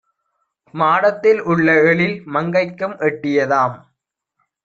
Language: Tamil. மாடத்தில் உள்ளஎழில் மங்கைக்கும் எட்டியதாம்.